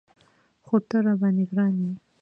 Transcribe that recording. خو ته راباندې ګران یې.